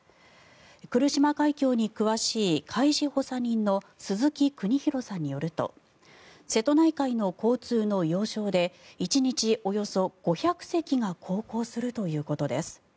来島海峡に詳しい海事補佐人の鈴木邦裕さんによると瀬戸内海の交通の要衝で１日およそ５００隻が航行するということです。